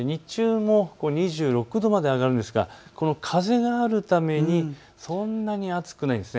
日中も２６度まで上がるんですが、風があるためにそんなに暑くないんです。